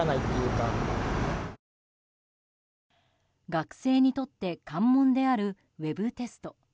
学生にとって関門であるウェブテスト。